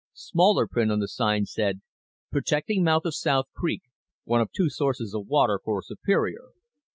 Smaller print on the sign said: _Protecting mouth of South Creek, one of two sources of water for Superior.